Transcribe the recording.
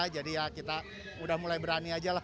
jadi ya kita udah mulai berani aja lah